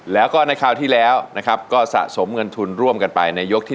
แล้วก็ในคราวที่แล้วนะครับก็สะสมเงินทุนร่วมกันไปในยกที่๑